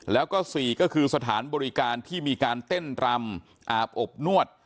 แล้วก็๔ก็คือสถานบริการที่มีการเต้นรำอาบอบนวด